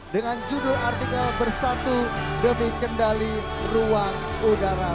dengan judul artikel bersatu demi kendali ruang udara